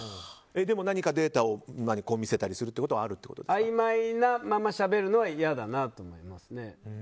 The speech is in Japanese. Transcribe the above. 何かデータを見せたりするということはあいまいなまましゃべるのはやだなと思いますね。